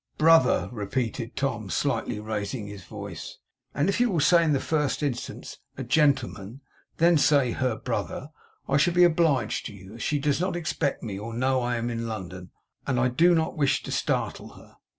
'Brother,' repeated Tom, slightly raising his voice. 'And if you will say, in the first instance, a gentleman, and then say her brother, I shall be obliged to you, as she does not expect me or know I am in London, and I do not wish to startle her.